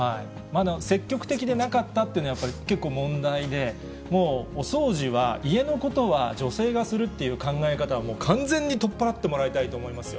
積極的でなかったというのはやっぱり、結構問題で、もうお掃除は、家のことは女性がするっていう考え方はもう、完全に取っ払ってもらいたいと思いますよ。